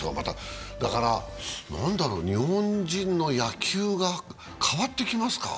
日本人の野球が変わってきますか？